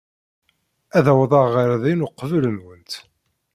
Ad awḍeɣ ɣer din uqbel-nwent.